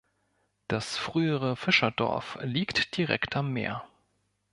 Das frühere Fischerdorf liegt direkt am Meer.